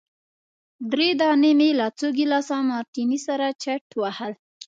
درې دانې مي له څو ګیلاسه مارټیني سره چټ وهل.